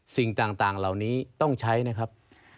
สิ่งต่างเหล่านี้ต้องใช้นะครับ